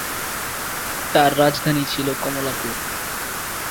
তার রাজধানী ছিল কমলাপুর।